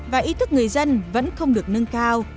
và ý thức người dân vẫn không được nâng cao